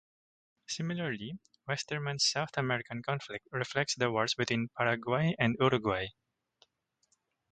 Similarly Westerman's South American conflict reflects the wars between Paraguay and Uruguay.